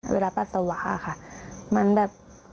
เวลาปัสสวะค่ะมันแบบ